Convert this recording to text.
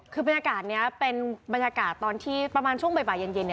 คือบรรยากาศนี้เป็นบรรยากาศตอนที่ประมาณช่วงบ่ายเย็น